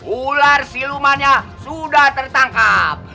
ular silumannya sudah tertangkep